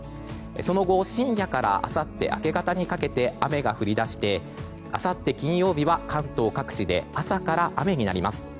その後、深夜からあさって明け方にかけて雨が降り出してあさって金曜日は関東各地で朝から雨になります。